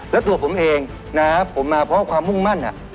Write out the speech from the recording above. แล้วตัวผมเองนะครับผมมาเพราะว่าความมุ่งมั่นอะ